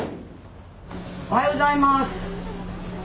おはようございます。